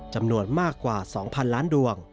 จำนวนมากกว่า๒๐๐๐ล้านดวง